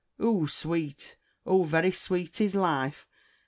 "Hoo sweet, hoo varry sweet is life!"